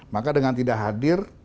maka dengan tidak hadir